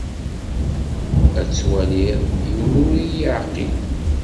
Ad twaliḍ: yiwen ur iyi-iɛqil.